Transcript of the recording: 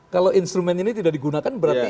kalau instrumen ini tidak digunakan berarti